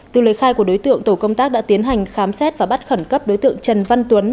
từ lời khai của đối tượng tổ công tác đã tiến hành khám xét và bắt khẩn cấp đối tượng trần văn tuấn